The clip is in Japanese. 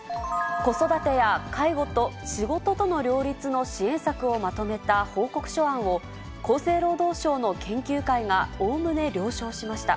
子育てや介護と仕事との両立の支援策をまとめた報告書案を、厚生労働省の研究会がおおむね了承しました。